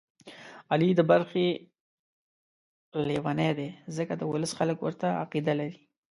علي د برخې لېونی دی، ځکه د ولس خلک ورته عقیده لري.